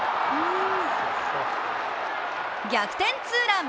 逆転ツーラン！